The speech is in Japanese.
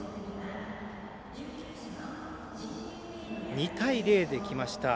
２対０できました。